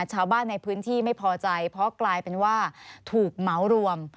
ชาวบ้านในพื้นที่ไม่พอใจเพราะกลายเป็นว่าถูกเหมารวม